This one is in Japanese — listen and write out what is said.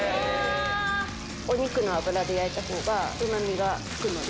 お肉の脂で焼いたほうがうま味がつくので。